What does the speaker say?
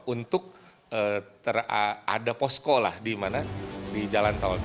untuk ada posko lah di mana di jalan tol